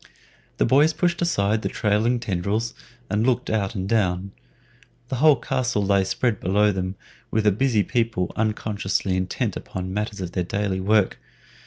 The boys pushed aside the trailing tendrils and looked out and down. The whole castle lay spread below them, with the busy people unconsciously intent upon the matters of their daily work.